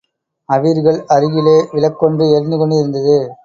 அவிர்கள் அருகிலே விளக்கொன்று எரிந்து கொண்டிருந்தது.